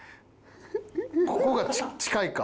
ここが近いか。